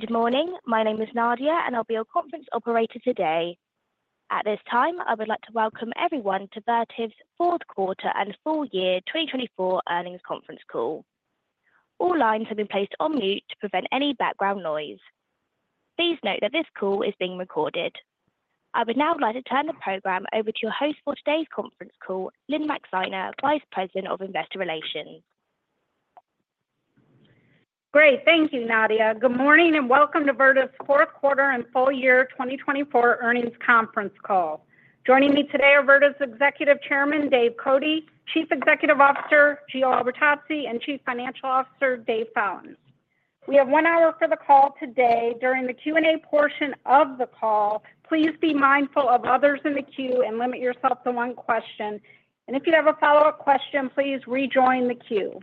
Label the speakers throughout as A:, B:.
A: Good morning. My name is Nadia, and I'll be your conference operator today. At this time, I would like to welcome everyone to Vertiv's Fourth Quarter and Full Year 2024 Earnings Conference Call. All lines have been placed on mute to prevent any background noise. Please note that this call is being recorded. I would now like to turn the program over to your host for today's conference call, Lynne Maxeiner, Vice President of Investor Relations.
B: Great. Thank you, Nadia. Good morning and welcome to Vertiv's Fourth Quarter and Full Year 2024 Earnings Conference Call. Joining me today are Vertiv's Executive Chairman, Dave Cote, Chief Executive Officer, Giordano Albertazzi, and Chief Financial Officer, Dave Fallon. We have one hour for the call today. During the Q&A portion of the call, please be mindful of others in the queue and limit yourself to one question. And if you have a follow-up question, please rejoin the queue.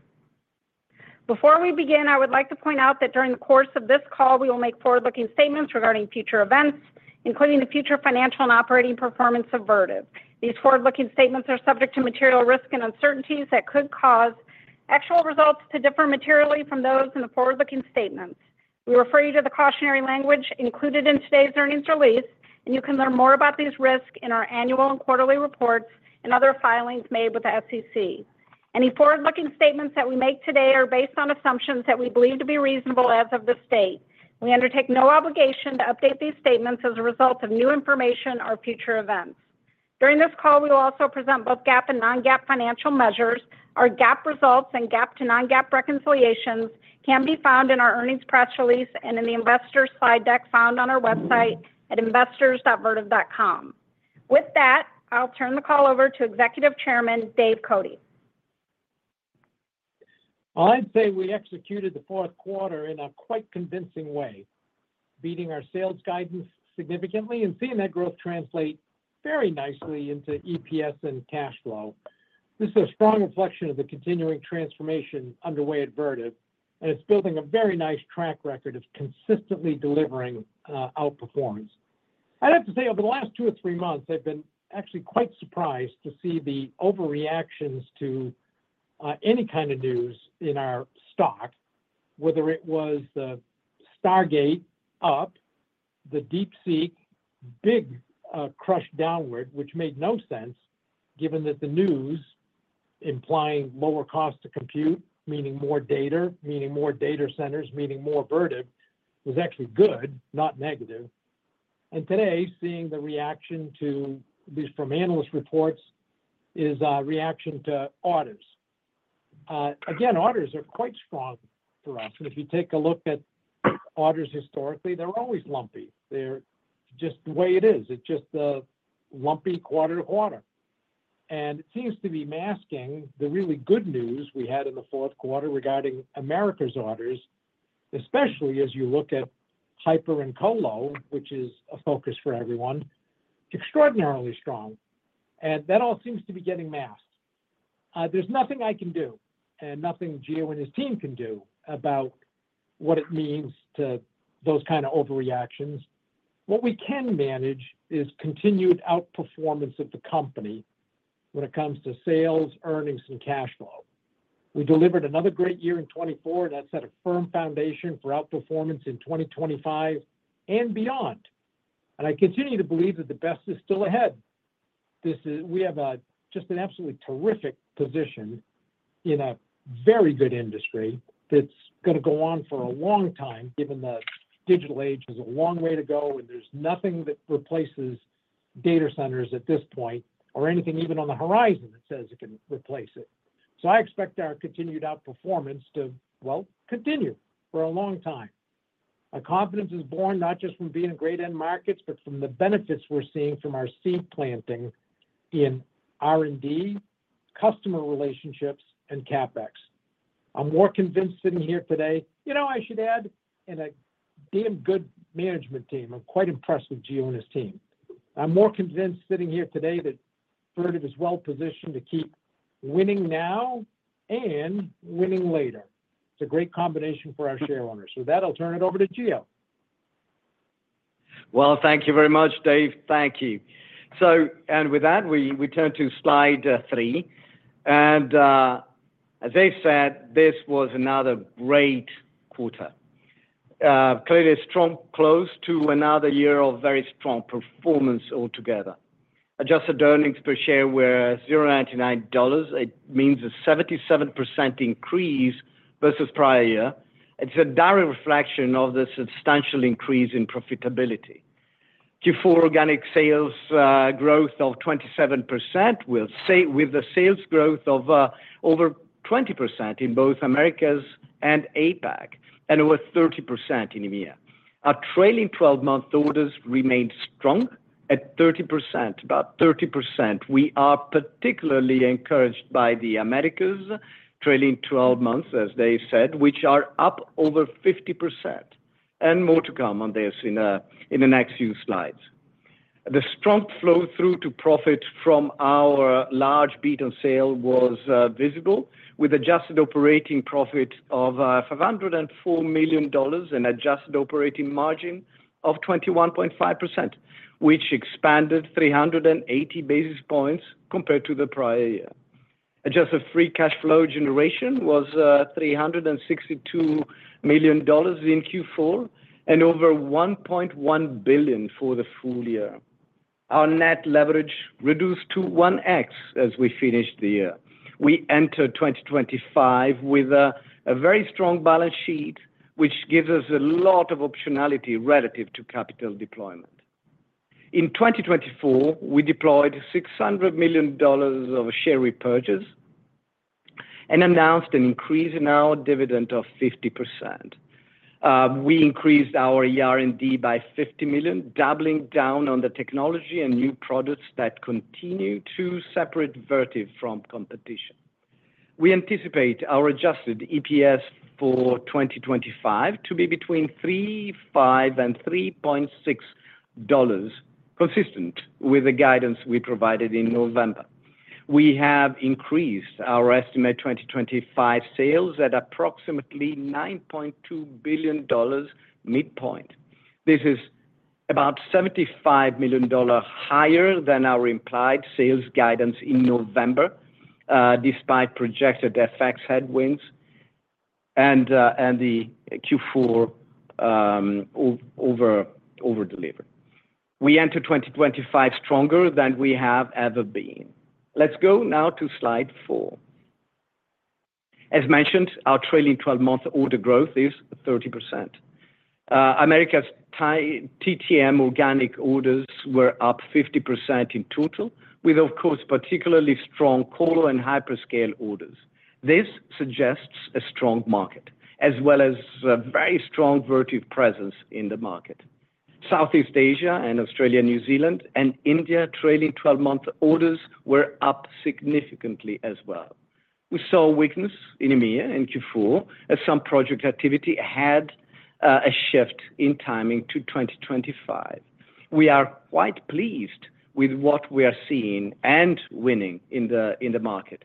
B: Before we begin, I would like to point out that during the course of this call, we will make forward-looking statements regarding future events, including the future financial and operating performance of Vertiv. These forward-looking statements are subject to material risk and uncertainties that could cause actual results to differ materially from those in the forward-looking statements. We refer you to the cautionary language included in today's earnings release, and you can learn more about these risks in our annual and quarterly reports and other filings made with the SEC. Any forward-looking statements that we make today are based on assumptions that we believe to be reasonable as of this date. We undertake no obligation to update these statements as a result of new information or future events. During this call, we will also present both GAAP and non-GAAP financial measures. Our GAAP results and GAAP to non-GAAP reconciliations can be found in our earnings press release and in the investor slide deck found on our website at investors.vertiv.com. With that, I'll turn the call over to Executive Chairman, Dave Cote.
C: I'd say we executed the fourth quarter in a quite convincing way, beating our sales guidance significantly and seeing that growth translate very nicely into EPS and cash flow. This is a strong reflection of the continuing transformation underway at Vertiv, and it's building a very nice track record of consistently delivering outperformance. I'd have to say over the last two or three months, I've been actually quite surprised to see the overreactions to any kind of news in our stock, whether it was the Stargate up, the DeepSeek big crush downward, which made no sense given that the news implying lower cost to compute, meaning more data, meaning more data centers, meaning more Vertiv was actually good, not negative. Today, seeing the reaction to at least from analyst reports is a reaction to orders. Again, orders are quite strong for us. If you take a look at orders historically, they're always lumpy. They're just the way it is. It's just a lumpy quarter-to quarter. And it seems to be masking the really good news we had in the fourth quarter regarding Americas orders, especially as you look at hyper and colo, which is a focus for everyone, extraordinarily strong. And that all seems to be getting masked. There's nothing I can do and nothing Gio and his team can do about what it means to those kinds of overreactions. What we can manage is continued outperformance of the company when it comes to sales, earnings, and cash flow. We delivered another great year in 2024, and that set a firm foundation for outperformance in 2025 and beyond. And I continue to believe that the best is still ahead. We have just an absolutely terrific position in a very good industry that's going to go on for a long time, given the digital age has a long way to go, and there's nothing that replaces data centers at this point or anything even on the horizon that says it can replace it. So I expect our continued outperformance to, well, continue for a long time. My confidence is born not just from being in great end markets, but from the benefits we're seeing from our seed planting in R&D, customer relationships, and CapEx. I'm more convinced sitting here today, you know, I should add, in a damn good management team. I'm quite impressed with Gio and his team. I'm more convinced sitting here today that Vertiv is well positioned to keep winning now and winning later. It's a great combination for our shareholders. With that, I'll turn it over to Gio.
D: Thank you very much, Dave. Thank you. With that, we turn to slide three. As Dave said, this was another great quarter. Clearly, a strong close to another year of very strong performance altogether. Adjusted earnings per share were $0.99. It means a 77% increase versus prior year. It's a direct reflection of the substantial increase in profitability. Q4 organic sales growth of 27%, with a sales growth of over 20% in both Americas and APAC, and over 30% in EMEA. Our trailing 12-month orders remained strong at 30%, about 30%. We are particularly encouraged by the Americas trailing 12 months, as they said, which are up over 50%. More to come on this in the next few slides. The strong flow through to profit from our large beat on sales was visible, with adjusted operating profit of $504 million and adjusted operating margin of 21.5%, which expanded 380 basis points compared to the prior year. Adjusted free cash flow generation was $362 million in Q4 and over $1.1 billion for the full year. Our net leverage reduced to 1x as we finished the year. We entered 2025 with a very strong balance sheet, which gives us a lot of optionality relative to capital deployment. In 2024, we deployed $600 million of share repurchase and announced an increase in our dividend of 50%. We increased our ER&D by $50 million, doubling down on the technology and new products that continue to separate Vertiv from competition. We anticipate our adjusted EPS for 2025 to be between $3.5 and $3.6, consistent with the guidance we provided in November. We have increased our estimated 2025 sales at approximately $9.2 billion midpoint. This is about $75 million higher than our implied sales guidance in November, despite projected FX headwinds and the Q4 overdelivery. We enter 2025 stronger than we have ever been. Let's go now to slide four. As mentioned, our trailing 12-month order growth is 30%. Americas TTM organic orders were up 50% in total, with, of course, particularly strong Colo and hyperscale orders. This suggests a strong market, as well as a very strong Vertiv presence in the market. Southeast Asia and Australia, New Zealand, and India trailing 12-month orders were up significantly as well. We saw weakness in EMEA in Q4, as some project activity had a shift in timing to 2025. We are quite pleased with what we are seeing and winning in the market.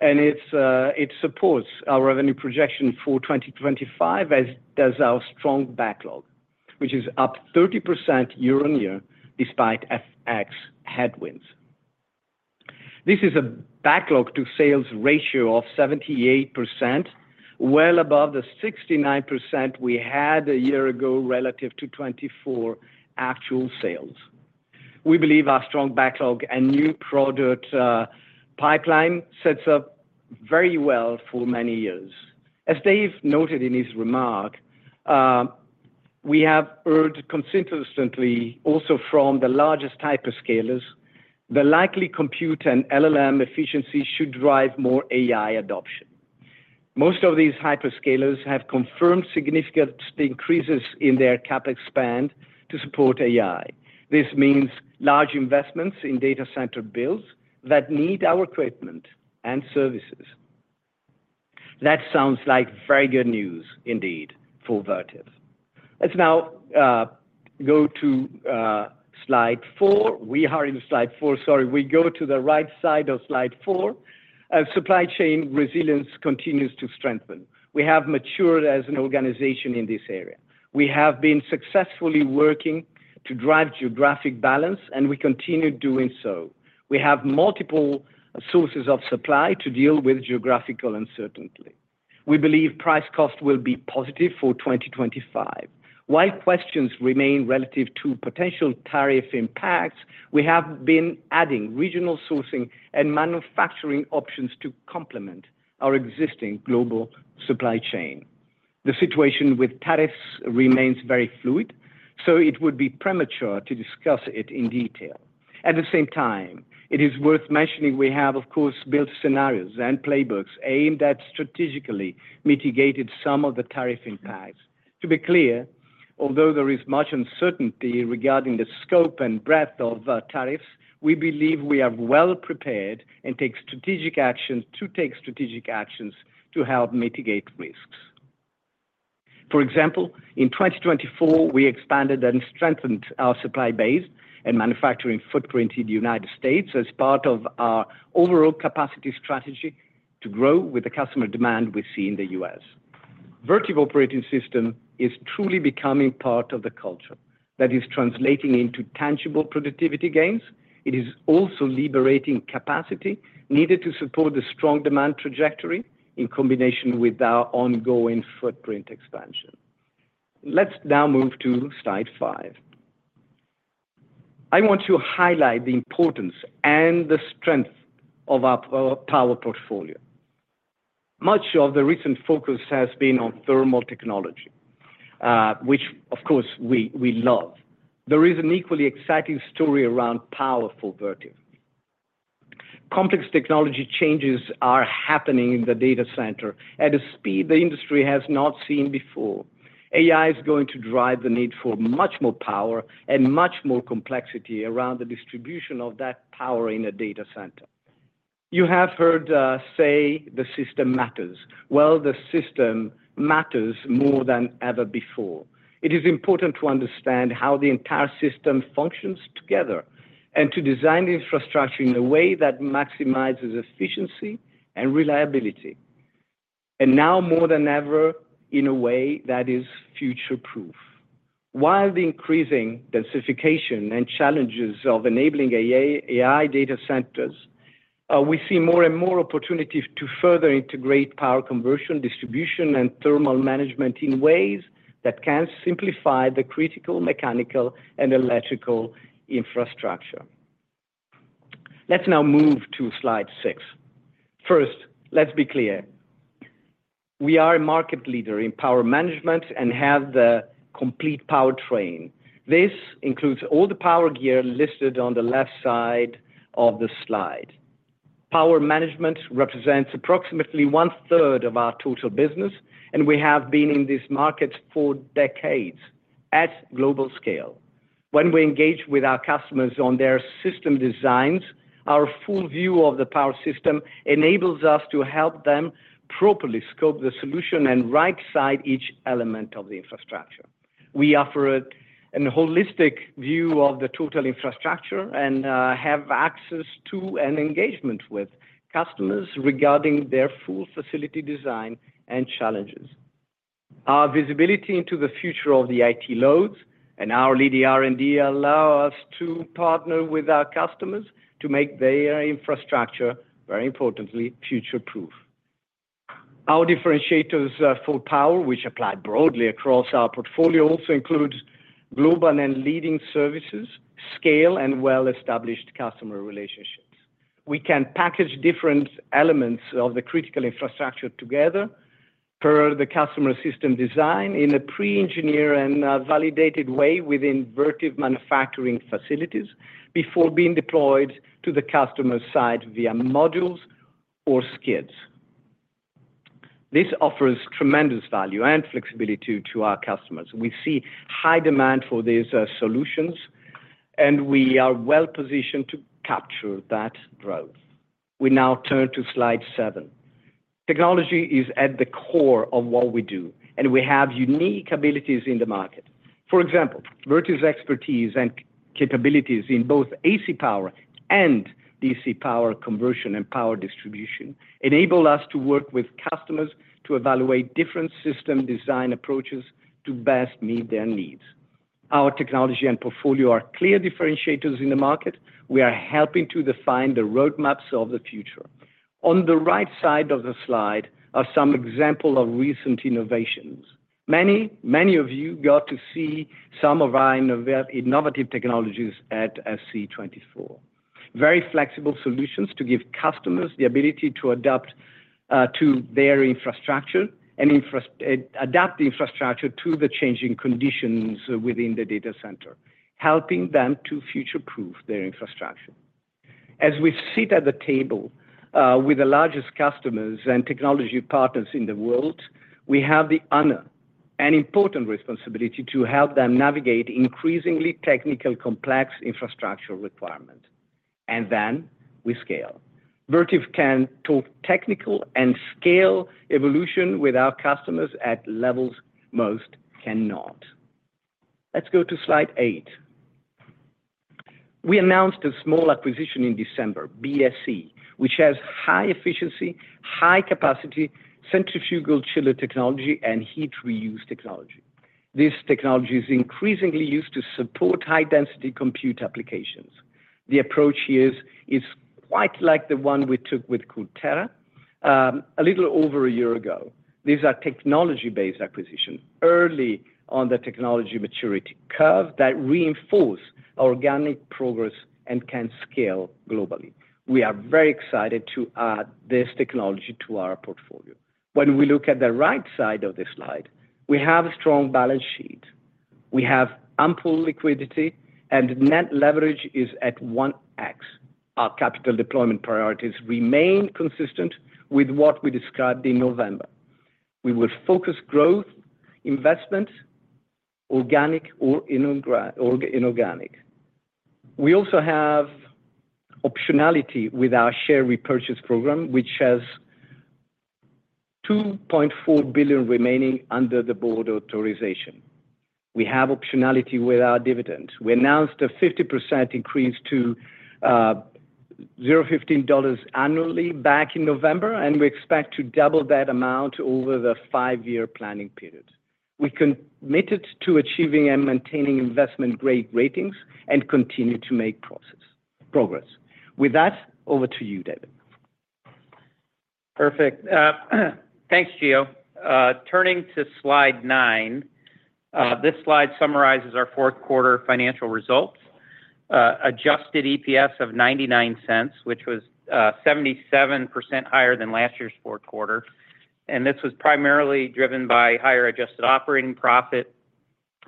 D: And it supports our revenue projection for 2025, as does our strong backlog, which is up 30% year-on-year despite FX headwinds. This is a backlog to sales ratio of 78%, well above the 69% we had a year ago relative to 24 actual sales. We believe our strong backlog and new product pipeline sets up very well for many years. As Dave noted in his remark, we have heard consistently also from the largest hyperscalers, the likely compute and LLM efficiency should drive more AI adoption. Most of these hyperscalers have confirmed significant increases in their CapEx spend to support AI. This means large investments in data center builds that need our equipment and services. That sounds like very good news indeed for Vertiv. Let's now go to slide four. We are in slide four. Sorry, we go to the right side of slide four. Supply chain resilience continues to strengthen. We have matured as an organization in this area. We have been successfully working to drive geographic balance, and we continue doing so. We have multiple sources of supply to deal with geographical uncertainty. We believe price-cost will be positive for 2025. While questions remain relative to potential tariff impacts, we have been adding regional sourcing and manufacturing options to complement our existing global supply chain. The situation with tariffs remains very fluid, so it would be premature to discuss it in detail. At the same time, it is worth mentioning we have, of course, built scenarios and playbooks aimed at strategically mitigating some of the tariff impacts. To be clear, although there is much uncertainty regarding the scope and breadth of tariffs, we believe we are well prepared and take strategic actions to help mitigate risks. For example, in 2024, we expanded and strengthened our supply base and manufacturing footprint in the United States as part of our overall capacity strategy to grow with the customer demand we see in the U.S. Vertiv Operating System is truly becoming part of the culture that is translating into tangible productivity gains. It is also liberating capacity needed to support the strong demand trajectory in combination with our ongoing footprint expansion. Let's now move to slide five. I want to highlight the importance and the strength of our power portfolio. Much of the recent focus has been on thermal technology, which, of course, we love. There is an equally exciting story around power for Vertiv. Complex technology changes are happening in the data center at a speed the industry has not seen before. AI is going to drive the need for much more power and much more complexity around the distribution of that power in a data center. You have heard say the system matters, well, the system matters more than ever before. It is important to understand how the entire system functions together and to design the infrastructure in a way that maximizes efficiency and reliability, and now more than ever in a way that is future-proof. While the increasing densification and challenges of enabling AI data centers, we see more and more opportunities to further integrate power conversion, distribution, and thermal management in ways that can simplify the critical mechanical and electrical infrastructure. Let's now move to slide six. First, let's be clear. We are a market leader in power management and have the complete power train. This includes all the power gear listed on the left side of the slide. Power management represents approximately one-third of our total business, and we have been in this market for decades at global scale. When we engage with our customers on their system designs, our full view of the power system enables us to help them properly scope the solution and right-size each element of the infrastructure. We offer a holistic view of the total infrastructure and have access to and engagement with customers regarding their full facility design and challenges. Our visibility into the future of the IT loads and our leading R&D allow us to partner with our customers to make their infrastructure, very importantly, future-proof. Our differentiators for power, which apply broadly across our portfolio, also include global and leading services, scale, and well-established customer relationships. We can package different elements of the critical infrastructure together per the customer system design in a pre-engineered and validated way within Vertiv manufacturing facilities before being deployed to the customer side via modules or skids. This offers tremendous value and flexibility to our customers. We see high demand for these solutions, and we are well positioned to capture that growth. We now turn to slide seven. Technology is at the core of what we do, and we have unique abilities in the market. For example, Vertiv's expertise and capabilities in both AC power and DC power conversion and power distribution enable us to work with customers to evaluate different system design approaches to best meet their needs. Our technology and portfolio are clear differentiators in the market. We are helping to define the roadmaps of the future. On the right side of the slide are some examples of recent innovations. Many, many of you got to see some of our innovative technologies at SC24. Very flexible solutions to give customers the ability to adapt to their infrastructure and adapt the infrastructure to the changing conditions within the data center, helping them to future-proof their infrastructure. As we sit at the table with the largest customers and technology partners in the world, we have the honor and important responsibility to help them navigate increasingly technical complex infrastructure requirements, and then we scale. Vertiv can talk technical and scale evolution with our customers at levels most cannot. Let's go to slide eight. We announced a small acquisition in December, BSE, which has high efficiency, high capacity, centrifugal chiller technology, and heat reuse technology. This technology is increasingly used to support high-density compute applications. The approach here is quite like the one we took with CoolTera a little over a year ago. These are technology-based acquisitions early on the technology maturity curve that reinforce organic progress and can scale globally. We are very excited to add this technology to our portfolio. When we look at the right side of this slide, we have a strong balance sheet. We have ample liquidity, and net leverage is at 1x. Our capital deployment priorities remain consistent with what we described in November. We will focus growth investments, organic or inorganic. We also have optionality with our share repurchase program, which has $2.4 billion remaining under the board authorization. We have optionality with our dividends. We announced a 50% increase to $0.15 annually back in November, and we expect to double that amount over the five-year planning period. We committed to achieving and maintaining investment-grade ratings and continue to make progress. With that, over to you, David.
E: Perfect. Thanks, Gio. Turning to slide nine, this slide summarizes our fourth quarter financial results: adjusted EPS of $0.99, which was 77% higher than last year's fourth quarter, and this was primarily driven by higher adjusted operating profit,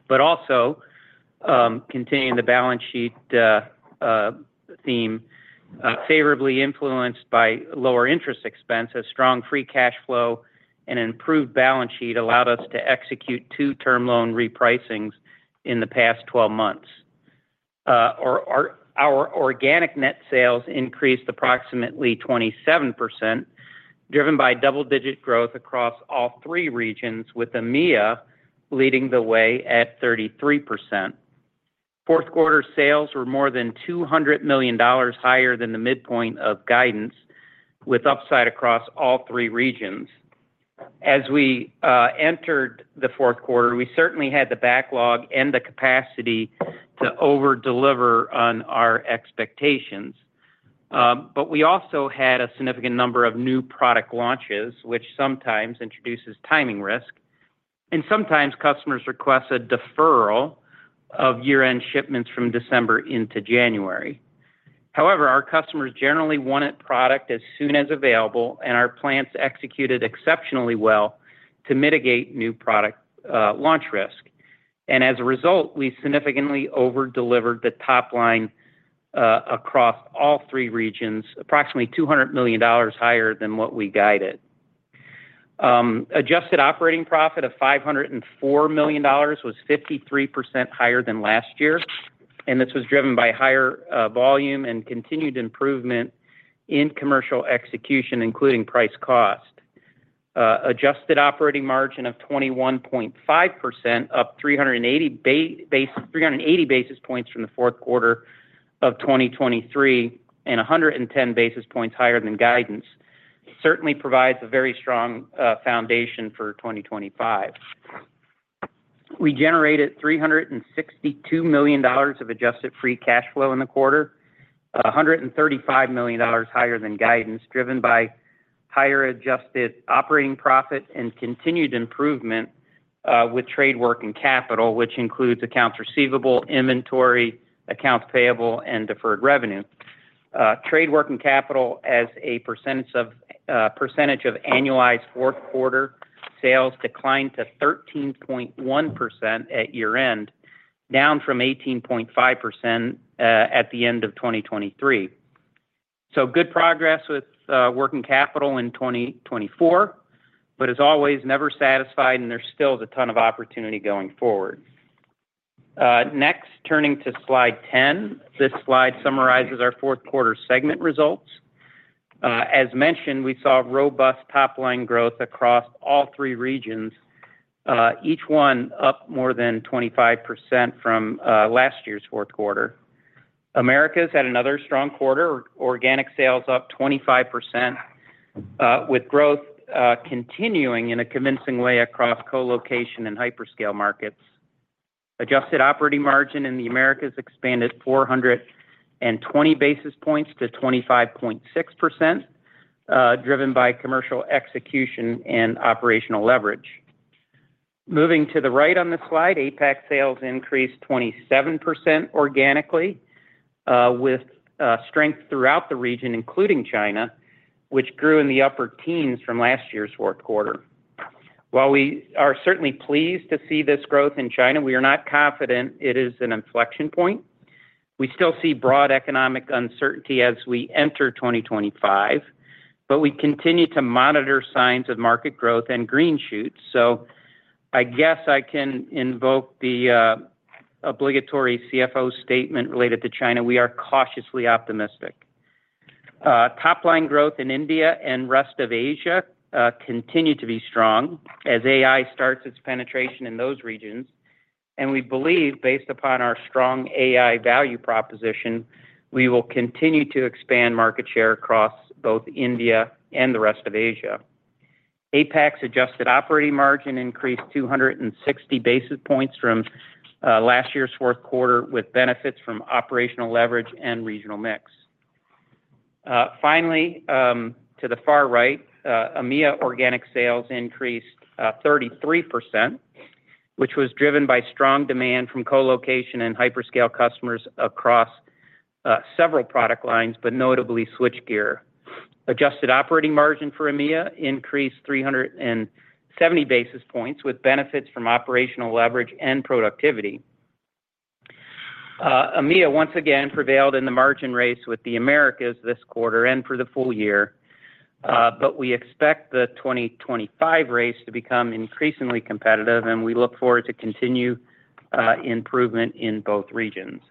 E: but also continuing the balance sheet theme, favorably influenced by lower interest expenses. Strong free cash flow and improved balance sheet allowed us to execute two term loan repricings in the past 12 months. Our organic net sales increased approximately 27%, driven by double-digit growth across all three regions, with EMEA leading the way at 33%. Fourth quarter sales were more than $200 million higher than the midpoint of guidance, with upside across all three regions. As we entered the fourth quarter, we certainly had the backlog and the capacity to overdeliver on our expectations, but we also had a significant number of new product launches, which sometimes introduces timing risk. And sometimes customers request a deferral of year-end shipments from December into January. However, our customers generally wanted product as soon as available, and our plants executed exceptionally well to mitigate new product launch risk, and as a result, we significantly overdelivered the top line across all three regions, approximately $200 million higher than what we guided. Adjusted operating profit of $504 million was 53% higher than last year, and this was driven by higher volume and continued improvement in commercial execution, including price-cost. Adjusted operating margin of 21.5%, up 380 basis points from the fourth quarter of 2023, and 110 basis points higher than guidance, certainly provides a very strong foundation for 2025. We generated $362 million of adjusted free cash flow in the quarter, $135 million higher than guidance, driven by higher adjusted operating profit and continued improvement with trade working capital, which includes accounts receivable, inventory, accounts payable, and deferred revenue. trade working capital as a percentage of annualized fourth quarter sales declined to 13.1% at year-end, down from 18.5% at the end of 2023, so good progress with working capital in 2024, but as always, never satisfied, and there's still a ton of opportunity going forward. Next, turning to slide 10, this slide summarizes our fourth quarter segment results. As mentioned, we saw robust top-line growth across all three regions, each one up more than 25% from last year's fourth quarter. Americas had another strong quarter, organic sales up 25%, with growth continuing in a convincing way across co-location and hyperscale markets. Adjusted operating margin in the Americas expanded 420 basis points to 25.6%, driven by commercial execution and operational leverage. Moving to the right on the slide, APAC sales increased 27% organically, with strength throughout the region, including China, which grew in the upper teens from last year's fourth quarter. While we are certainly pleased to see this growth in China, we are not confident it is an inflection point. We still see broad economic uncertainty as we enter 2025, but we continue to monitor signs of market growth and green shoots. So I guess I can invoke the obligatory CFO statement related to China. We are cautiously optimistic. Top-line growth in India and rest of Asia continue to be strong as AI starts its penetration in those regions. We believe, based upon our strong AI value proposition, we will continue to expand market share across both India and the rest of Asia. APAC's adjusted operating margin increased 260 basis points from last year's fourth quarter, with benefits from operational leverage and regional mix. Finally, to the far right, EMEA organic sales increased 33%, which was driven by strong demand from co-location and hyperscale customers across several product lines, but notably switchgear. Adjusted operating margin for EMEA increased 370 basis points, with benefits from operational leverage and productivity. EMEA once again prevailed in the margin race with the Americas this quarter and for the full year. But we expect the 2025 race to become increasingly competitive, and we look forward to continued improvement in both regions.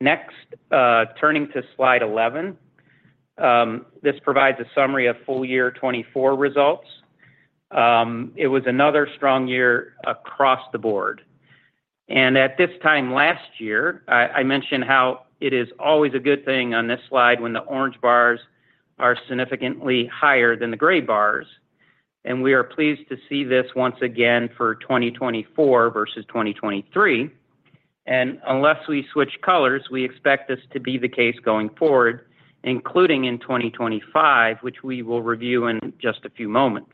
E: Next, turning to slide 11, this provides a summary of full year 2024 results. It was another strong year across the board. And at this time last year, I mentioned how it is always a good thing on this slide when the orange bars are significantly higher than the gray bars. And we are pleased to see this once again for 2024 versus 2023. And unless we switch colors, we expect this to be the case going forward, including in 2025, which we will review in just a few moments.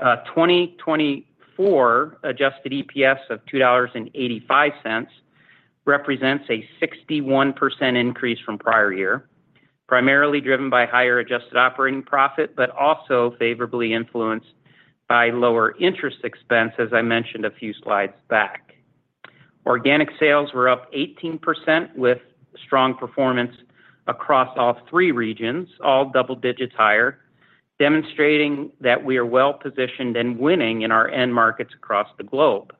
E: 2024 adjusted EPS of $2.85 represents a 61% increase from prior year, primarily driven by higher adjusted operating profit, but also favorably influenced by lower interest expense, as I mentioned a few slides back. Organic sales were up 18%, with strong performance across all three regions, all double digits higher, demonstrating that we are well positioned and winning in our end markets across the globe.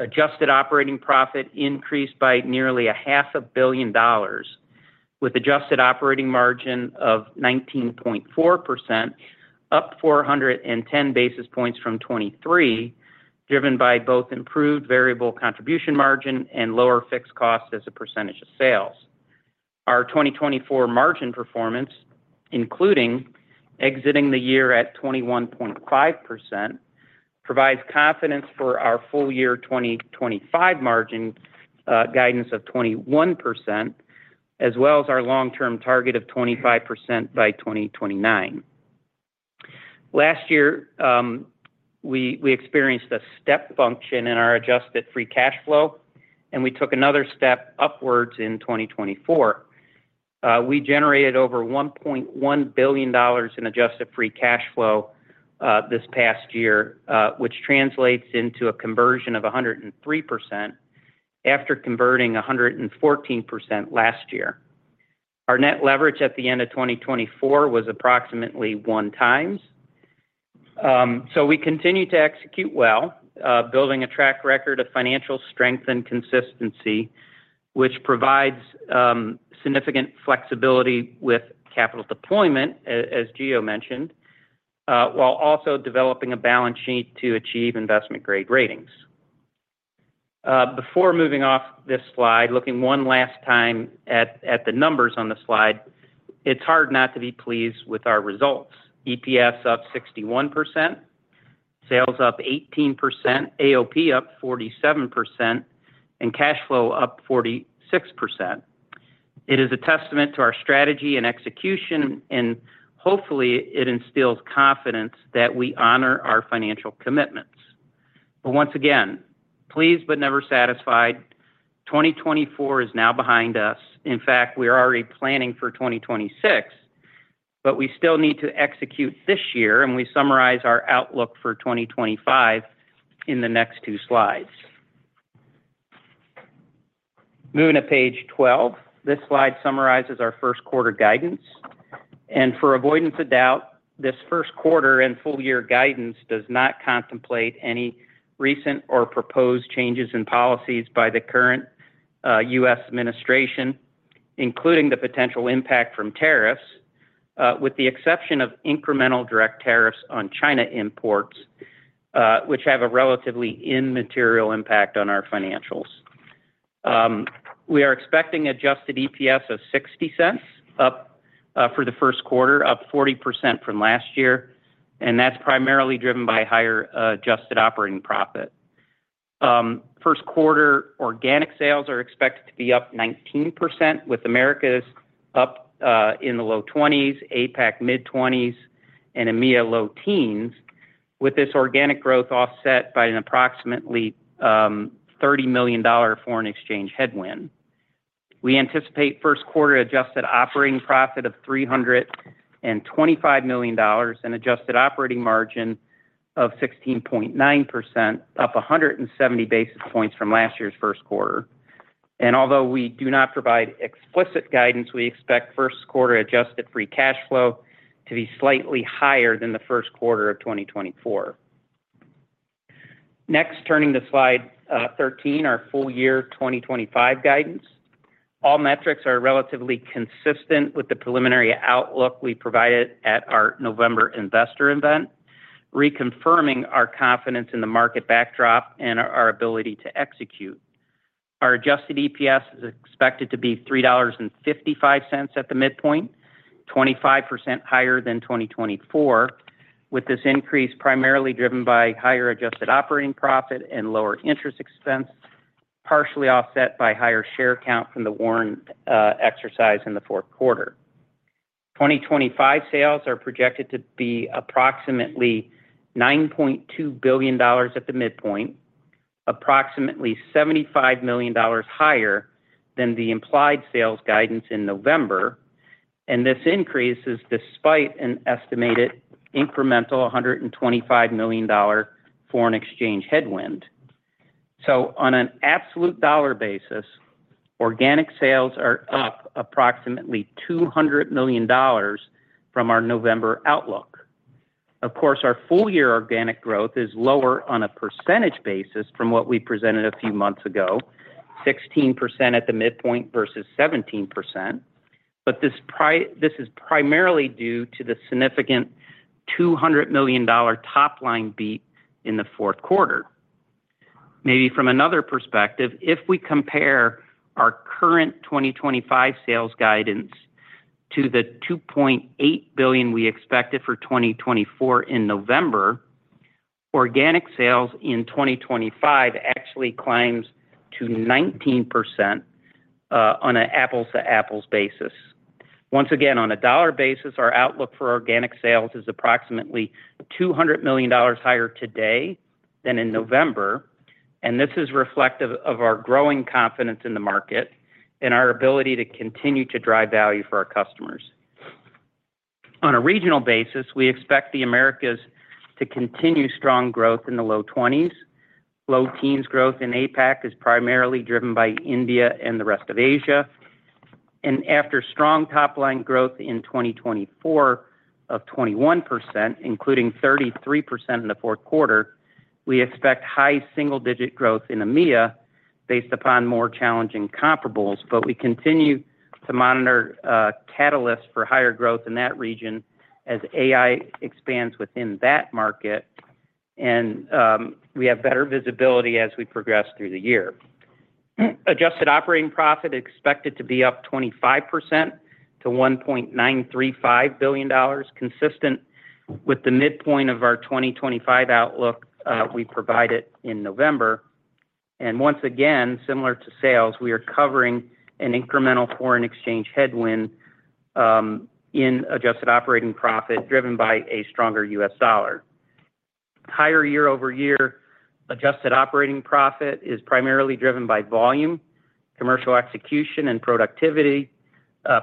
E: Adjusted operating profit increased by nearly $500 million, with adjusted operating margin of 19.4%, up 410 basis points from 23, driven by both improved variable contribution margin and lower fixed costs as a percentage of sales. Our 2024 margin performance, including exiting the year at 21.5%, provides confidence for our full year 2025 margin guidance of 21%, as well as our long-term target of 25% by 2029. Last year, we experienced a step function in our adjusted free cash flow, and we took another step upwards in 2024. We generated over $1.1 billion in adjusted free cash flow this past year, which translates into a conversion of 103% after converting 114% last year. Our net leverage at the end of 2024 was approximately one times. So we continue to execute well, building a track record of financial strength and consistency, which provides significant flexibility with capital deployment, as Gio mentioned, while also developing a balance sheet to achieve investment-grade ratings. Before moving off this slide, looking one last time at the numbers on the slide, it's hard not to be pleased with our results. EPS up 61%, sales up 18%, AOP up 47%, and cash flow up 46%. It is a testament to our strategy and execution, and hopefully it instills confidence that we honor our financial commitments. But once again, pleased but never satisfied, 2024 is now behind us. In fact, we are already planning for 2026, but we still need to execute this year, and we summarize our outlook for 2025 in the next two slides. Moving to page 12, this slide summarizes our first quarter guidance. For avoidance of doubt, this first quarter and full year guidance does not contemplate any recent or proposed changes in policies by the current U.S. administration, including the potential impact from tariffs, with the exception of incremental direct tariffs on China imports, which have a relatively immaterial impact on our financials. We are expecting adjusted EPS of $0.60 for the first quarter, up 40% from last year, and that's primarily driven by higher adjusted operating profit. First quarter organic sales are expected to be up 19%, with Americas up in the low 20s, APAC mid-20s, and EMEA low teens, with this organic growth offset by an approximately $30 million foreign exchange headwind. We anticipate first quarter adjusted operating profit of $325 million and adjusted operating margin of 16.9%, up 170 basis points from last year's first quarter. Although we do not provide explicit guidance, we expect first quarter adjusted free cash flow to be slightly higher than the first quarter of 2024. Next, turning to slide 13, our full year 2025 guidance. All metrics are relatively consistent with the preliminary outlook we provided at our November investor event, reconfirming our confidence in the market backdrop and our ability to execute. Our adjusted EPS is expected to be $3.55 at the midpoint, 25% higher than 2024, with this increase primarily driven by higher adjusted operating profit and lower interest expense, partially offset by higher share count from the warrant exercise in the fourth quarter. 2025 sales are projected to be approximately $9.2 billion at the midpoint, approximately $75 million higher than the implied sales guidance in November. This increase is despite an estimated incremental $125 million foreign exchange headwind. So on an absolute dollar basis, organic sales are up approximately $200 million from our November outlook. Of course, our full year organic growth is lower on a percentage basis from what we presented a few months ago, 16% at the midpoint versus 17%. But this is primarily due to the significant $200 million top line beat in the fourth quarter. Maybe from another perspective, if we compare our current 2025 sales guidance to the $2.8 billion we expected for 2024 in November, organic sales in 2025 actually climbs to 19% on an apples-to-apples basis. Once again, on a dollar basis, our outlook for organic sales is approximately $200 million higher today than in November. And this is reflective of our growing confidence in the market and our ability to continue to drive value for our customers. On a regional basis, we expect the Americas to continue strong growth in the low 20s. Low teens growth in APAC is primarily driven by India and the rest of Asia, and after strong top-line growth in 2024 of 21%, including 33% in the fourth quarter, we expect high single-digit growth in EMEA based upon more challenging comparables, but we continue to monitor catalysts for higher growth in that region as AI expands within that market, and we have better visibility as we progress through the year. Adjusted operating profit expected to be up 25% to $1.935 billion, consistent with the midpoint of our 2025 outlook we provided in November, and once again, similar to sales, we are covering an incremental foreign exchange headwind in adjusted operating profit driven by a stronger U.S. dollar. Higher year-over-year adjusted operating profit is primarily driven by volume, commercial execution, and productivity,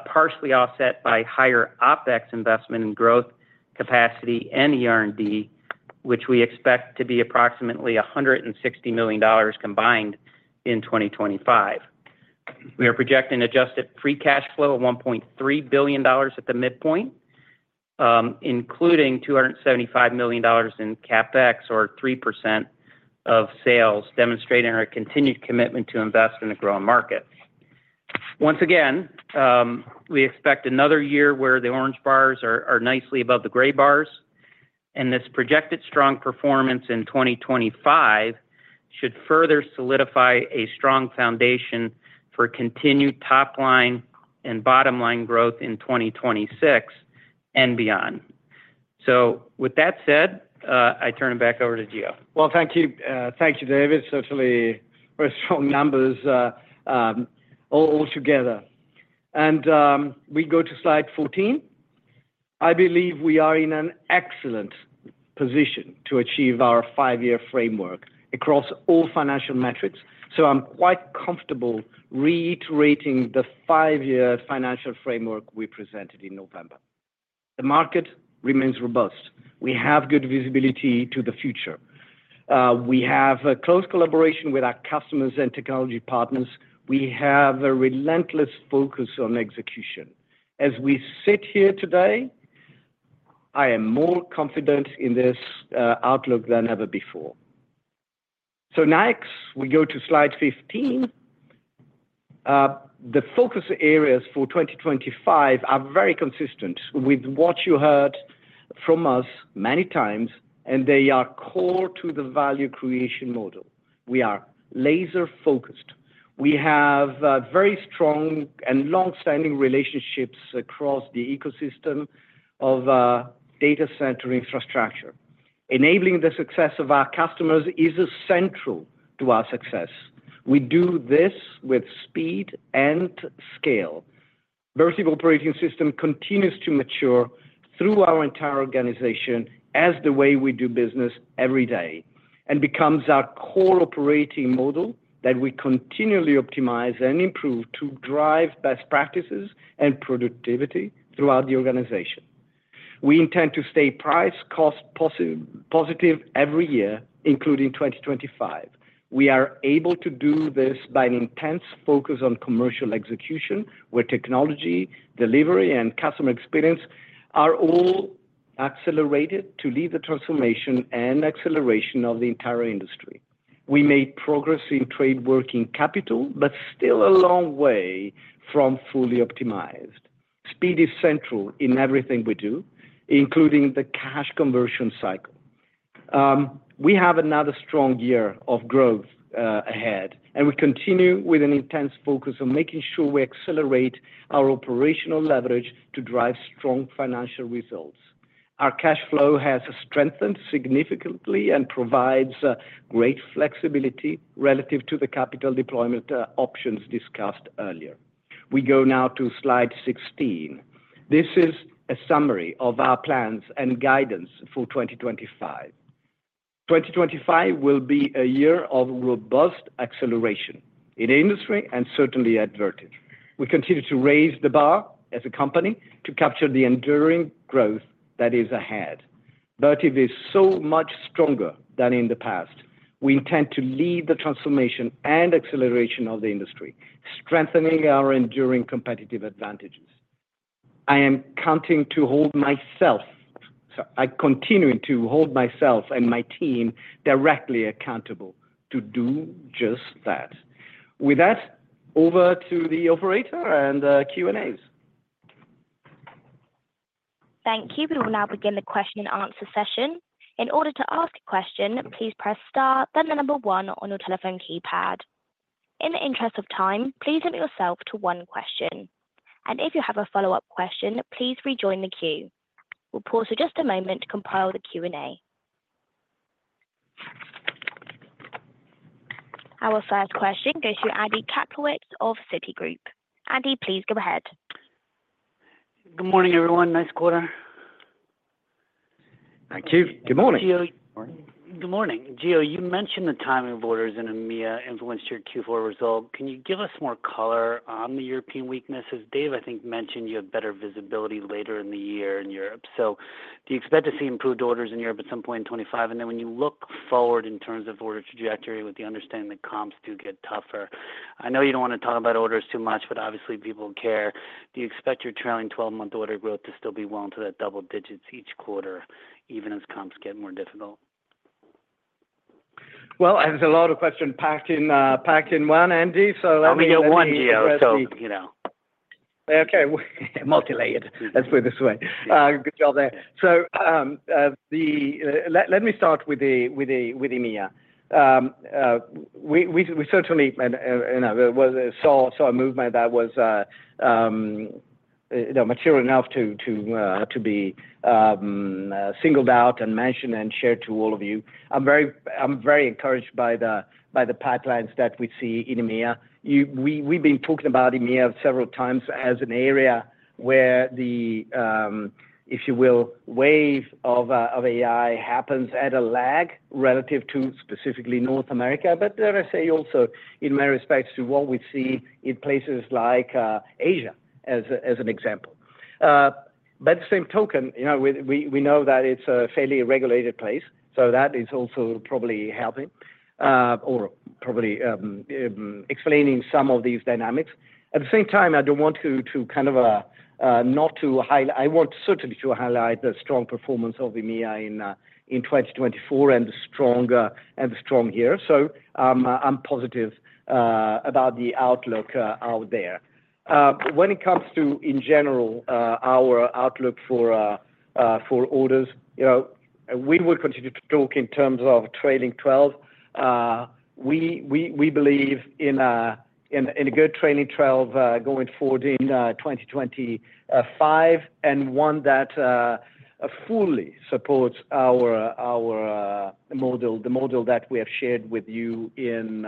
E: partially offset by higher OpEx investment and growth capacity and ER&D, which we expect to be approximately $160 million combined in 2025. We are projecting adjusted free cash flow of $1.3 billion at the midpoint, including $275 million in CapEx or 3% of sales, demonstrating our continued commitment to invest in the growing market. Once again, we expect another year where the orange bars are nicely above the gray bars. And this projected strong performance in 2025 should further solidify a strong foundation for continued top-line and bottom-line growth in 2026 and beyond. So with that said, I turn it back over to Gio.
D: Well, thank you. Thank you, David. Certainly, very strong numbers all together. And we go to slide 14. I believe we are in an excellent position to achieve our five-year framework across all financial metrics. So I'm quite comfortable reiterating the five-year financial framework we presented in November. The market remains robust. We have good visibility to the future. We have a close collaboration with our customers and technology partners. We have a relentless focus on execution. As we sit here today, I am more confident in this outlook than ever before. So next, we go to slide 15. The focus areas for 2025 are very consistent with what you heard from us many times, and they are core to the value creation model. We are laser-focused. We have very strong and long-standing relationships across the ecosystem of data center infrastructure. Enabling the success of our customers is essential to our success. We do this with speed and scale. Vertiv operating system continues to mature through our entire organization as the way we do business every day and becomes our core operating model that we continually optimize and improve to drive best practices and productivity throughout the organization. We intend to stay price-cost positive every year, including 2025. We are able to do this by an intense focus on commercial execution, where technology, delivery, and customer experience are all accelerated to lead the transformation and acceleration of the entire industry. We made progress in trade working capital, but still a long way from fully optimized. Speed is central in everything we do, including the cash conversion cycle. We have another strong year of growth ahead, and we continue with an intense focus on making sure we accelerate our operational leverage to drive strong financial results. Our cash flow has strengthened significantly and provides great flexibility relative to the capital deployment options discussed earlier. We go now to slide 16. This is a summary of our plans and guidance for 2025. 2025 will be a year of robust acceleration in the industry and certainly anticipated. We continue to raise the bar as a company to capture the enduring growth that is ahead. Vertiv is so much stronger than in the past. We intend to lead the transformation and acceleration of the industry, strengthening our enduring competitive advantages. I am committed to hold myself, so I continue to hold myself and my team directly accountable to do just that. With that, over to the operator and Q&As.
A: Thank you. We will now begin the question and answer session. In order to ask a question, please press Star, then the number one on your telephone keypad. In the interest of time, please limit yourself to one question. And if you have a follow-up question, please rejoin the queue. We'll pause for just a moment to compile the Q&A. Our first question goes to Andy Kaplowitz of Citigroup. Andy, please go ahead.
F: Good morning, everyone. Nice quarter.
E: Thank you. Good morning.
F: Good morning. Gio, you mentioned the timing of orders in EMEA influenced your Q4 result. Can you give us more color on the European weaknesses? Dave, I think, mentioned you have better visibility later in the year in Europe. So do you expect to see improved orders in Europe at some point in 2025? And then when you look forward in terms of order trajectory with the understanding that comps do get tougher, I know you don't want to talk about orders too much, but obviously people care. Do you expect your trailing 12-month order growth to still be well into that double digits each quarter, even as comps get more difficult?
D: There's a lot of questions packed in one, Andy, so let me.
E: I'm going to get one, Gio, so okay.
D: Multilayered. Let's put it this way. Good job there. So let me start with EMEA. We certainly saw a movement that was mature enough to be singled out and mentioned and shared to all of you. I'm very encouraged by the pipelines that we see in EMEA. We've been talking about EMEA several times as an area where the, if you will, wave of AI happens at a lag relative to specifically North America. But then I say also in many respects to what we see in places like Asia, as an example. By the same token, we know that it's a fairly regulated place, so that is also probably helping or probably explaining some of these dynamics. At the same time, I don't want to kind of not to highlight. I want certainly to highlight the strong performance of EMEA in 2024 and the strong year. So I'm positive about the outlook out there. When it comes to, in general, our outlook for orders, we will continue to talk in terms of trailing 12. We believe in a good trailing 12 going forward in 2025 and one that fully supports our model, the model that we have shared with you in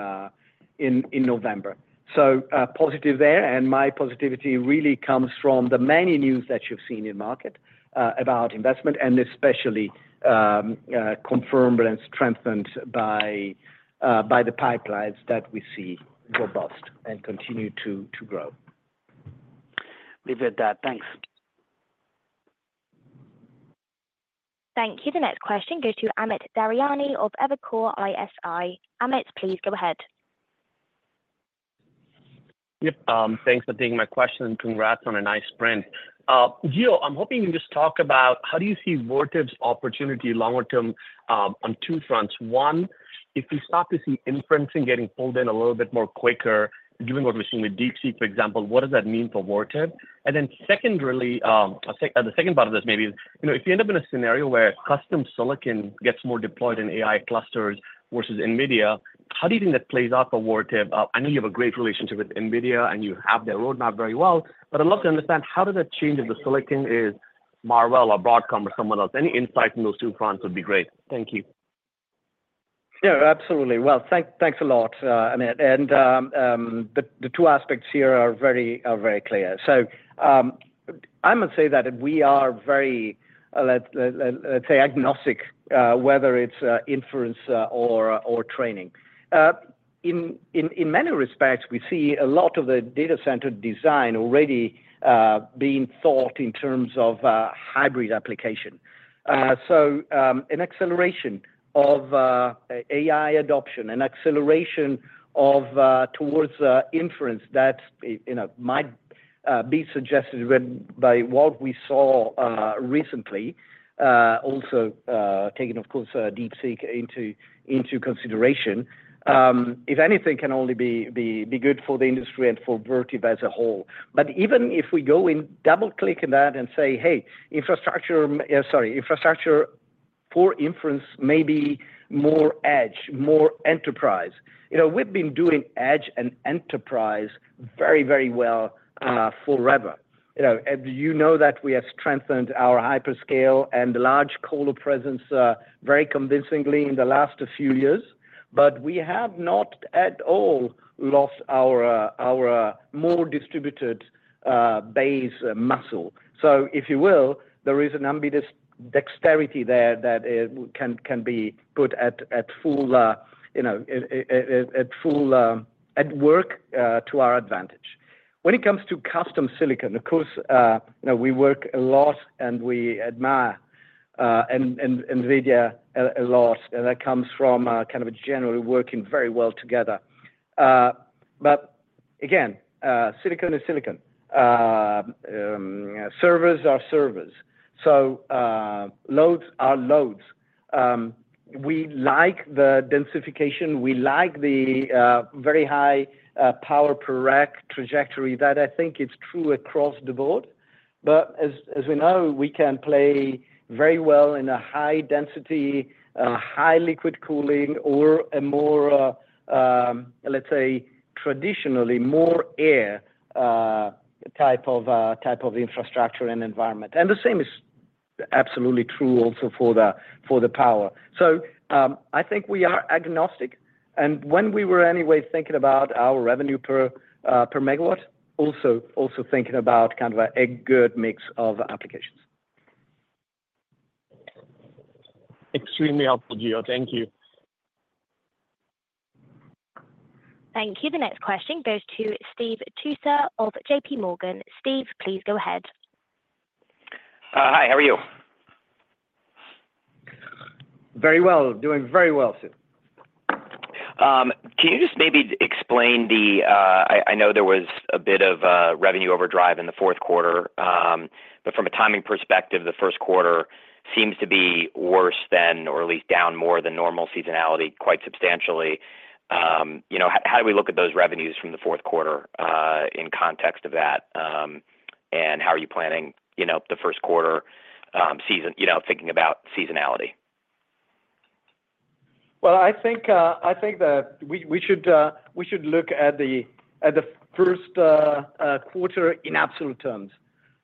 D: November. So positive there. And my positivity really comes from the many news that you've seen in the market about investment, and especially confirmed and strengthened by the pipelines that we see robust and continue to grow.
F: Leave it at that. Thanks.
A: Thank you. The next question goes to Amit Daryanani of Evercore ISI. Amit, please go ahead.
G: Yep. Thanks for taking my question and congrats on a nice sprint. Gio, I'm hoping you can just talk about how do you see Vertiv's opportunity longer term on two fronts. One, if we start to see inferencing getting pulled in a little bit more quicker, doing what we're seeing with DeepSeek, for example, what does that mean for Vertiv? And then secondarily, the second part of this maybe is if you end up in a scenario where custom silicon gets more deployed in AI clusters versus NVIDIA, how do you think that plays out for Vertiv? I know you have a great relationship with NVIDIA and you have their roadmap very well, but I'd love to understand how does that change if the silicon is Marvell or Broadcom or someone else? Any insight from those two fronts would be great. Thank you.
D: Yeah, absolutely. Well, thanks a lot, Amit. And the two aspects here are very clear. So I must say that we are very, let's say, agnostic, whether it's inference or training. In many respects, we see a lot of the data center design already being thought in terms of hybrid application. So an acceleration of AI adoption, an acceleration towards inference that might be suggested by what we saw recently, also taking, of course, DeepSeek into consideration, if anything, can only be good for the industry and for Vertiv as a whole. But even if we go and double-click on that and say, "Hey, infrastructure for inference may be more edge, more enterprise." We've been doing edge and enterprise very, very well forever. You know that we have strengthened our hyperscale and large core presence very convincingly in the last few years, but we have not at all lost our more distributed base muscle. So if you will, there is an ambidextrous dexterity there that can be put fully to work to our advantage. When it comes to custom silicon, of course, we work a lot and we admire NVIDIA a lot, and that comes from kind of a general working very well together. But again, silicon is silicon. Servers are servers. So loads are loads. We like the densification. We like the very high power per rack trajectory that I think is true across the board. But as we know, we can play very well in a high-density, high-liquid cooling or a more, let's say, traditionally more air type of infrastructure and environment. And the same is absolutely true also for the power. So I think we are agnostic. And when we were anyway thinking about our revenue per megawatt, also thinking about kind of a good mix of applications.
G: Extremely helpful, Gio. Thank you.
A: Thank you. The next question goes to Steve Tusa of J.P. Morgan. Steve, please go ahead.
H: Hi, how are you?
D: Very well. Doing very well, Steve.
H: Can you just maybe explain? I know there was a bit of revenue overdrive in the fourth quarter, but from a timing perspective, the first quarter seems to be worse than or at least down more than normal seasonality quite substantially. How do we look at those revenues from the fourth quarter in context of that? And how are you planning the first quarter thinking about seasonality?
D: I think that we should look at the first quarter in absolute terms.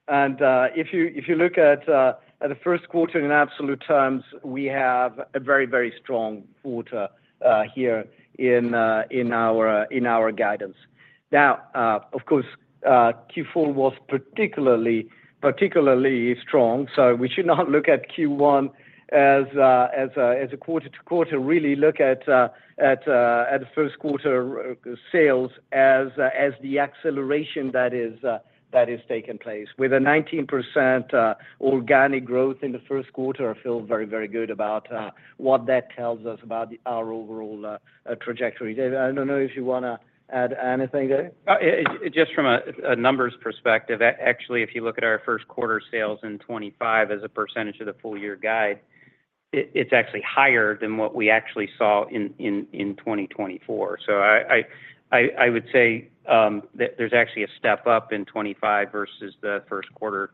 D: If you look at the first quarter in absolute terms, we have a very, very strong quarter here in our guidance. Now, of course, Q4 was particularly strong. We should not look at Q1 as a quarter-to-quarter, really look at the first quarter sales as the acceleration that has taken place with a 19% organic growth in the first quarter. I feel very, very good about what that tells us about our overall trajectory. David, I don't know if you want to add anything there.
E: Just from a numbers perspective, actually, if you look at our first quarter sales in 2025 as a percentage of the full-year guide, it's actually higher than what we actually saw in 2024. So I would say that there's actually a step up in 2025 versus the first quarter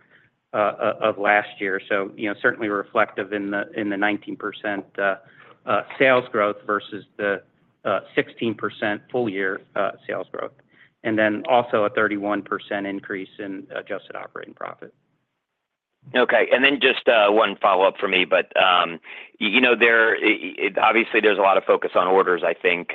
E: of last year. So certainly reflective in the 19% sales growth versus the 16% full-year sales growth, and then also a 31% increase in adjusted operating profit.
H: Okay. And then just one follow-up for me, but obviously, there's a lot of focus on orders, I think,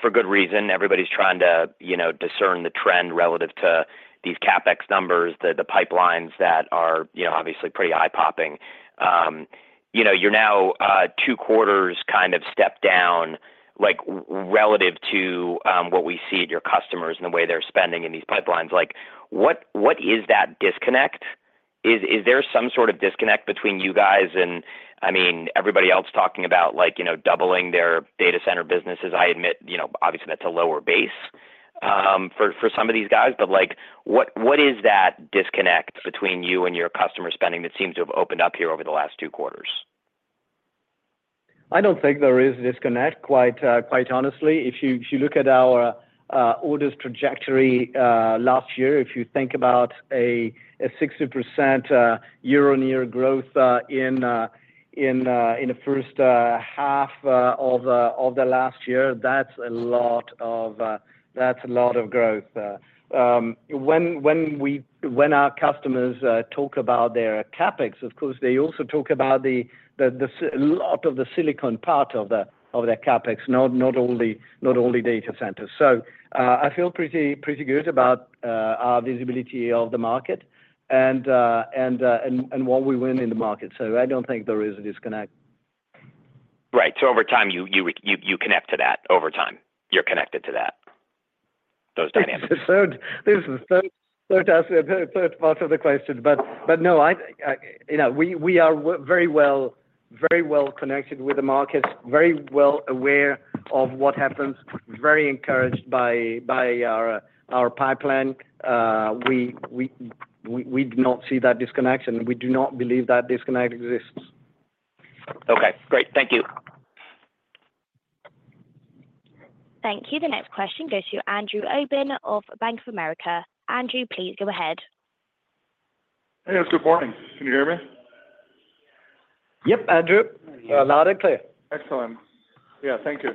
H: for good reason. Everybody's trying to discern the trend relative to these CapEx numbers, the pipelines that are obviously pretty eye-popping. You're now two quarters kind of stepped down relative to what we see at your customers and the way they're spending in these pipelines. What is that disconnect? Is there some sort of disconnect between you guys and, I mean, everybody else talking about doubling their data center businesses? I admit, obviously, that's a lower base for some of these guys. But what is that disconnect between you and your customer spending that seems to have opened up here over the last two quarters?
D: I don't think there is a disconnect, quite honestly. If you look at our orders trajectory last year, if you think about a 60% year-on-year growth in the first half of the last year, that's a lot of growth. When our customers talk about their CapEx, of course, they also talk about a lot of the silicon part of their CapEx, not only data centers. So I feel pretty good about our visibility of the market and what we win in the market. So I don't think there is a disconnect.
H: Right. So over time, you connect to that. Over time, you're connected to those dynamics.
D: This is the third part of the question. But no, we are very well connected with the markets, very well aware of what happens, very encouraged by our pipeline. We do not see that disconnect, and we do not believe that disconnect exists.
I: Okay. Great. Thank you.
A: Thank you. The next question goes to Andrew Obin of Bank of America. Andrew, please go ahead.
J: Hey, it's good morning. Can you hear me?
D: Yep, Andrew. Loud and clear.
J: Excellent. Yeah, thank you.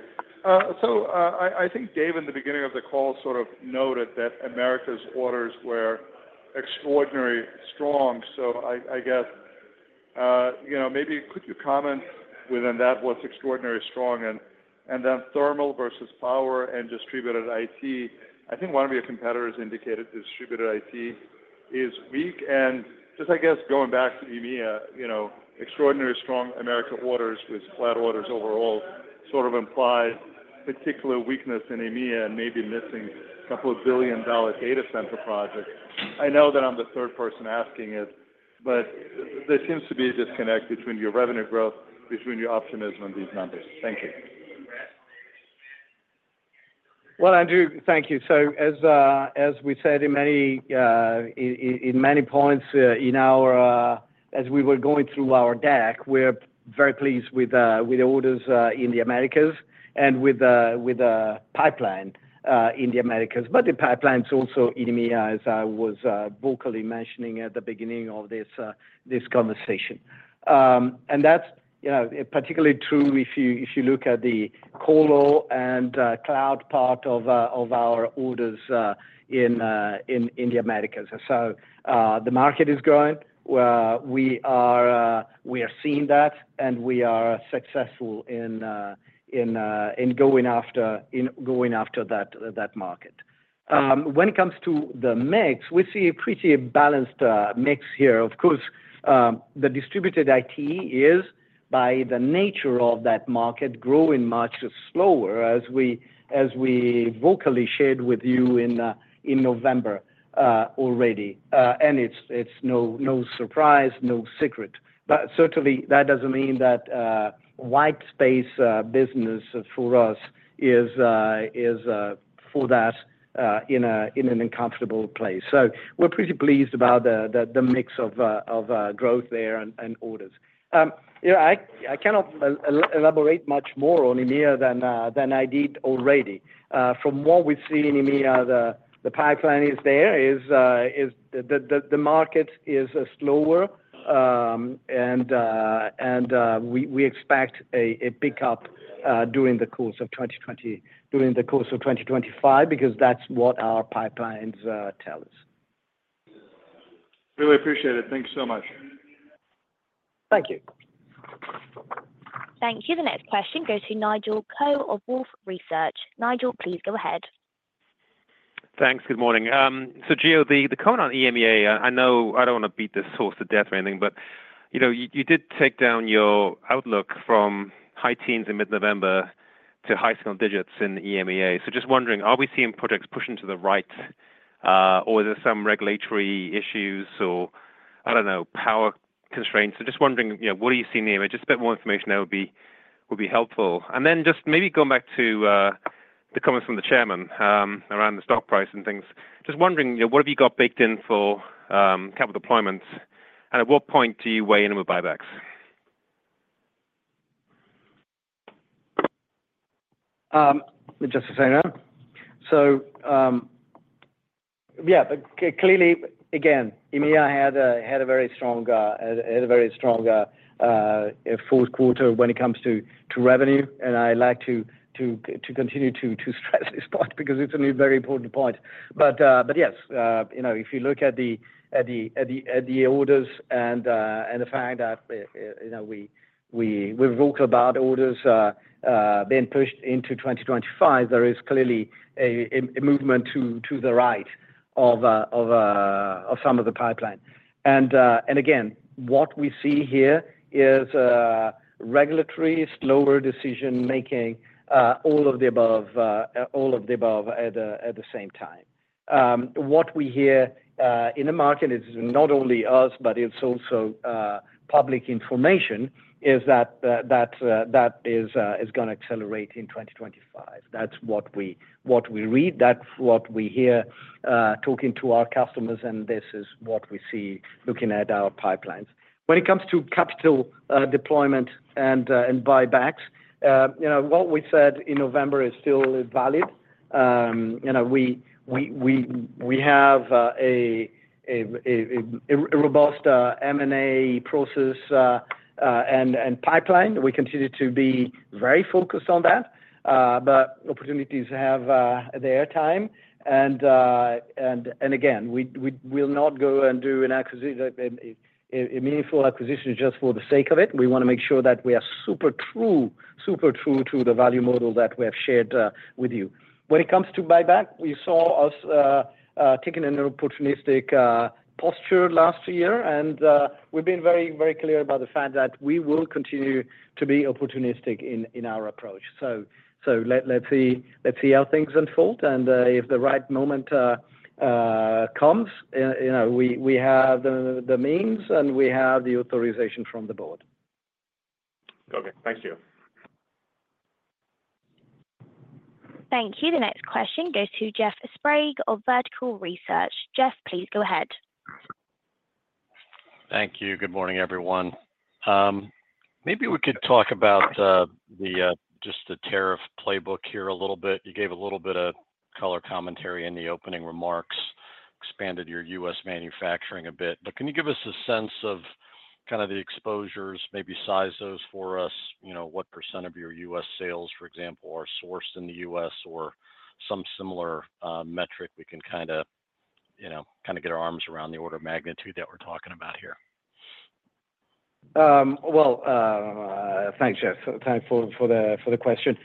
J: So I think Dave, in the beginning of the call, sort of noted that Americas' orders were extraordinarily strong. So I guess maybe could you comment within that, what's extraordinarily strong? And then thermal versus power and distributed IT, I think one of your competitors indicated distributed IT is weak. And just, I guess, going back to EMEA, extraordinarily strong Americas orders with flat orders overall sort of imply particular weakness in EMEA and maybe missing a couple of billion-dollar data center projects. I know that I'm the third person asking it, but there seems to be a disconnect between your revenue growth, between your optimism and these numbers. Thank you.
D: Andrew, thank you. As we said in many points in our deck as we were going through our deck, we're very pleased with the orders in the Americas and with the pipeline in the Americas, but the pipeline is also EMEA, as I was vocally mentioning at the beginning of this conversation, and that's particularly true if you look at colo and cloud part of our orders in the Americas, so the market is growing. We are seeing that, and we are successful in going after that market. When it comes to the mix, we see a pretty balanced mix here. Of course, the distributed IT is, by the nature of that market, growing much slower as we vocally shared with you in November already, and it's no surprise, no secret. But certainly, that doesn't mean that white space business for us isn't in an uncomfortable place. So we're pretty pleased about the mix of growth there and orders. I cannot elaborate much more on EMEA than I did already. From what we see in EMEA, the pipeline is there, the market is slower, and we expect a pickup during the course of 2025 because that's what our pipelines tell us.
J: Really appreciate it. Thank you so much. Thank you.
A: Thank you. The next question goes to Nigel Coe of Wolfe Research. Nigel, please go ahead.
K: Thanks. Good morning. So Gio, the comment on EMEA, I know I don't want to beat this horse to death or anything, but you did take down your outlook from high teens in mid-November to high single digits in EMEA. So just wondering, are we seeing projects pushing to the right, or are there some regulatory issues or, I don't know, power constraints? So just wondering, what are you seeing in EMEA? Just a bit more information that would be helpful. And then just maybe going back to the comments from the chairman around the stock price and things, just wondering, what have you got baked in for capital deployments? And at what point do you weigh in on the buybacks?
D: Just to say now. So yeah, clearly, again, EMEA had a very strong fourth quarter when it comes to revenue. I like to continue to stress this point because it's a very important point. But yes, if you look at the orders and the fact that we talk about orders being pushed into 2025, there is clearly a movement to the right of some of the pipeline. Again, what we see here is regulatory slower decision-making, all of the above at the same time. What we hear in the market is not only us, but it's also public information, is that that is going to accelerate in 2025. That's what we read. That's what we hear talking to our customers, and this is what we see looking at our pipelines. When it comes to capital deployment and buybacks, what we said in November is still valid. We have a robust M&A process and pipeline. We continue to be very focused on that, but opportunities have their time. And again, we will not go and do a meaningful acquisition just for the sake of it. We want to make sure that we are super true to the value model that we have shared with you. When it comes to buyback, we saw us taking an opportunistic posture last year, and we've been very, very clear about the fact that we will continue to be opportunistic in our approach. So let's see how things unfold, and if the right moment comes, we have the means and we have the authorization from the board.
K: Okay. Thanks, Gio.
A: Thank you. The next question goes to Jeff Sprague of Vertical Research Partners. Jeff, please go ahead.
L: Thank you. Good morning, everyone. Maybe we could talk about just the tariff playbook here a little bit. You gave a little bit of color commentary in the opening remarks, expanded your U.S. manufacturing a bit. But can you give us a sense of kind of the exposures, maybe size those for us? What % of your U.S. sales, for example, are sourced in the U.S. or some similar metric we can kind of get our arms around the order of magnitude that we're talking about here?
D: Thanks, Jeff, for the question.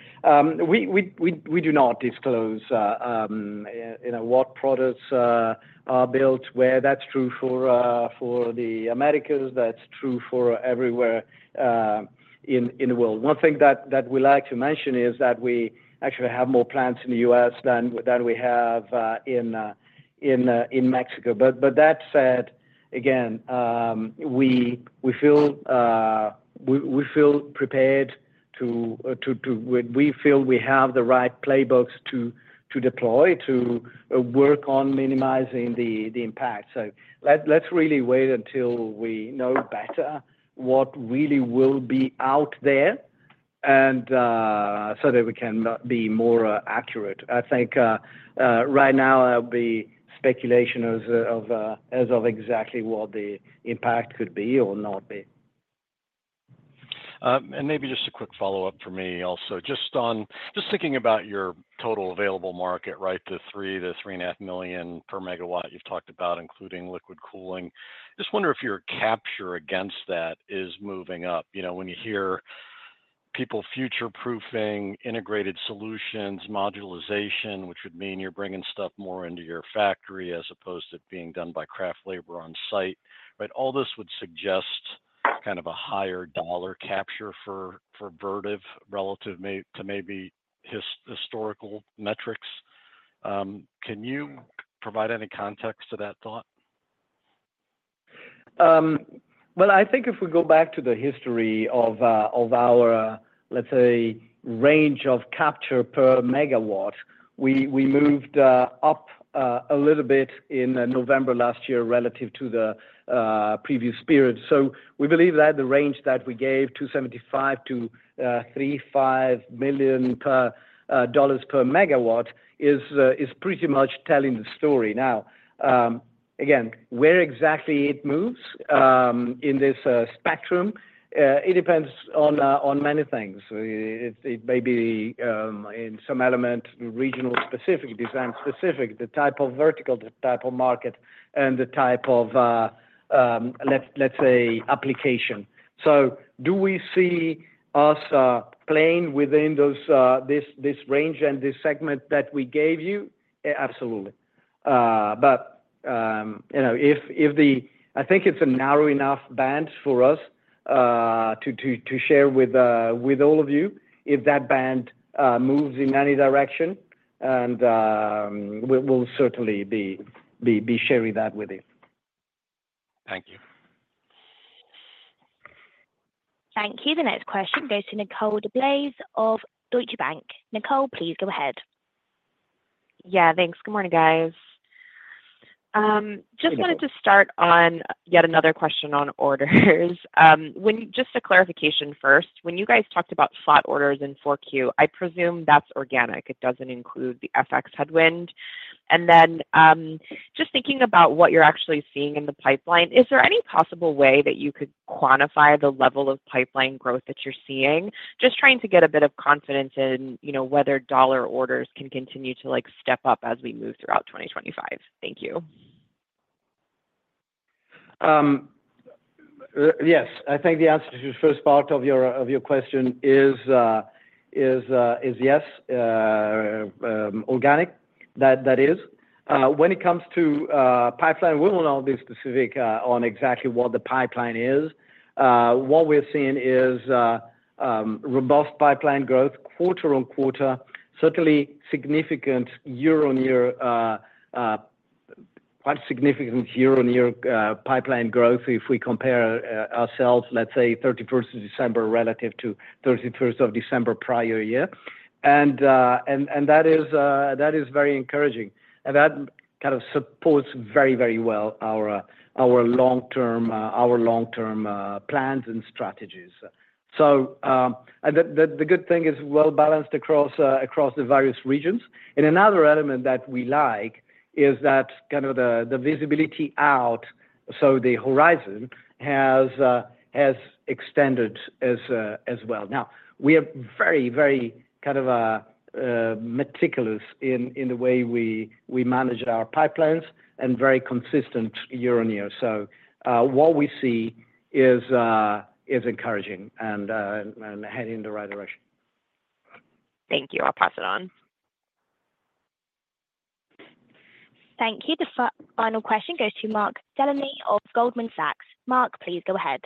D: We do not disclose what products are built, whether that's true for the Americas. That's true for everywhere in the world. One thing that we like to mention is that we actually have more plants in the U.S. than we have in Mexico. But that said, again, we feel prepared, we have the right playbooks to deploy, to work on minimizing the impact. So let's really wait until we know better what really will be out there so that we can be more accurate. I think right now, there'll be speculation as to exactly what the impact could be or not be.
L: Maybe just a quick follow-up for me also. Just thinking about your total available market, right, the three to 3.5 million per megawatt you've talked about, including liquid cooling. Just wonder if your capture against that is moving up. When you hear people future-proofing, integrated solutions, modularization, which would mean you're bringing stuff more into your factory as opposed to it being done by craft labor on site, right? All this would suggest kind of a higher dollar capture for Vertiv relative to maybe historical metrics. Can you provide any context to that thought?
D: Well, I think if we go back to the history of our, let's say, range of capture per megawatt, we moved up a little bit in November last year relative to the previous period. So we believe that the range that we gave, $2.75 million to $3.5 million per megawatt, is pretty much telling the story. Now, again, where exactly it moves in this spectrum, it depends on many things. It may be in some element, regional specific, design specific, the type of vertical, the type of market, and the type of, let's say, application. So do we see us playing within this range and this segment that we gave you? Absolutely. But I think it's a narrow enough band for us to share with all of you. If that band moves in any direction, we'll certainly be sharing that with you.
L: Thank you.
A: Thank you. The next question goes to Nicole DeBlase of Deutsche Bank. Nicole, please go ahead.
M: Yeah, thanks. Good morning, guys. Just wanted to start on yet another question on orders. Just a clarification first. When you guys talked about slot orders in 4Q, I presume that's organic. It doesn't include the FX headwind. And then just thinking about what you're actually seeing in the pipeline, is there any possible way that you could quantify the level of pipeline growth that you're seeing? Just trying to get a bit of confidence in whether dollar orders can continue to step up as we move throughout 2025. Thank you.
D: Yes. I think the answer to the first part of your question is yes, organic. That is. When it comes to pipeline, we won't all be specific on exactly what the pipeline is. What we're seeing is robust pipeline growth quarter on quarter, certainly significant year-on-year, quite significant year-on-year pipeline growth if we compare ourselves, let's say, 31st of December relative to 31st of December prior year. And that is very encouraging. And that kind of supports very, very well our long-term plans and strategies. And the good thing is well balanced across the various regions. And another element that we like is that kind of the visibility out, so the horizon has extended as well. Now, we are very, very kind of meticulous in the way we manage our pipelines and very consistent year-on-year. So what we see is encouraging and heading in the right direction.
A: Thank you. I'll pass it on. Thank you. The final question goes to Mark Delaney of Goldman Sachs. Mark, please go ahead.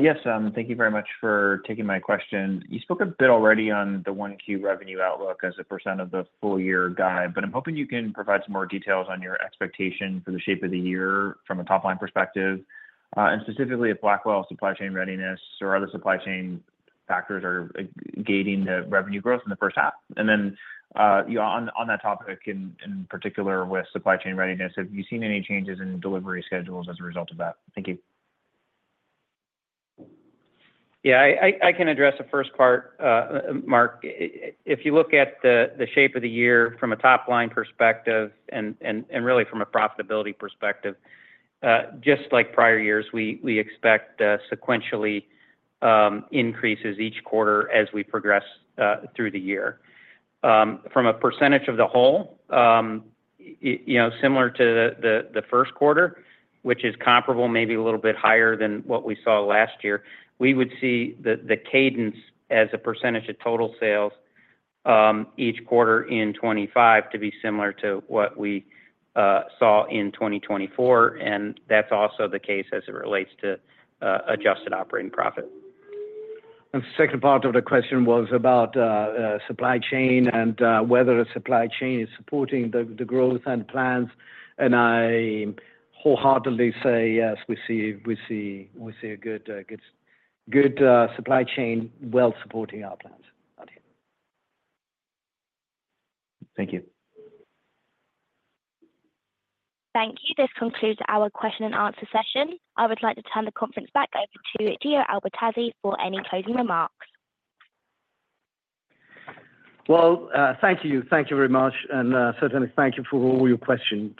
I: Yes. Thank you very much for taking my question. You spoke a bit already on the 1Q revenue outlook as a % of the full-year guide, but I'm hoping you can provide some more details on your expectation for the shape of the year from a top-line perspective, and specifically if Blackwell's supply chain readiness or other supply chain factors are gating the revenue growth in the first half. And then on that topic, in particular with supply chain readiness, have you seen any changes in delivery schedules as a result of that? Thank you.
E: Yeah. I can address the first part, Mark. If you look at the shape of the year from a top-line perspective and really from a profitability perspective, just like prior years, we expect sequentially increases each quarter as we progress through the year. From a percentage of the whole, similar to the first quarter, which is comparable, maybe a little bit higher than what we saw last year, we would see the cadence as a percentage of total sales each quarter in 2025 to be similar to what we saw in 2024. And that's also the case as it relates to adjusted operating profit.
D: The second part of the question was about supply chain and whether supply chain is supporting the growth and plans. I wholeheartedly say yes, we see a good supply chain well supporting our plans.
I: Thank you.
A: Thank you. This concludes our question and answer session. I would like to turn the conference back over to Gio Albertazzi for any closing remarks.
D: Thank you. Thank you very much. Certainly, thank you for all your questions.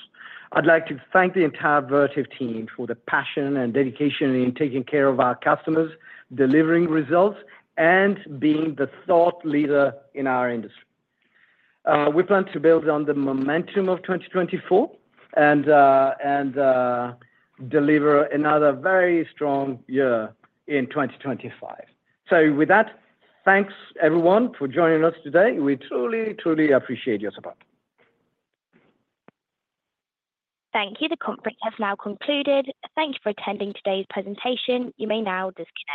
D: I'd like to thank the entire Vertiv team for the passion and dedication in taking care of our customers, delivering results, and being the thought leader in our industry. We plan to build on the momentum of 2024 and deliver another very strong year in 2025. With that, thanks everyone for joining us today. We truly, truly appreciate your support.
A: Thank you. The conference has now concluded. Thank you for attending today's presentation. You may now disconnect.